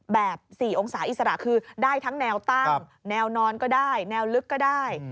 ๔องศาอิสระคือได้ทั้งแนวตั้งแนวนอนก็ได้แนวลึกก็ได้